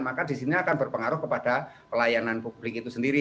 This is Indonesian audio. maka di sini akan berpengaruh kepada pelayanan publik itu sendiri